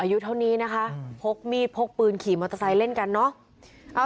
อายุเท่านี้นะคะพกมีดพกปืนขี่มอเตอร์ไซค์เล่นกันเนอะ